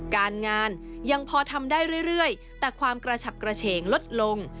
การงานยังพอทำได้เรื่อยแต่ความกระฉับกระเฉงลดลง